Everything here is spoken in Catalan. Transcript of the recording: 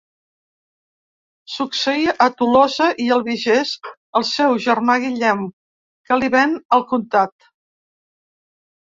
Succeí a Tolosa i Albigès el seu germà Guillem, que li ven el comtat.